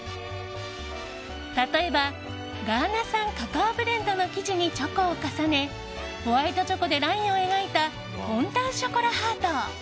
例えばガーナ産カカオブレンドの生地にチョコを重ねホワイトチョコでラインを描いたフォンダンショコラハート。